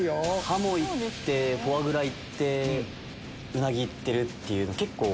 ハモ行ってフォアグラ行ってウナギ行ってるっていう。